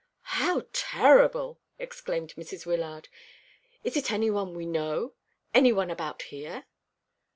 "How terrible!" exclaimed Mrs. Wyllard. "Is it any one we know any one about here?"